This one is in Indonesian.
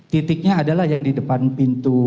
titiknya adalah yang di depan pintu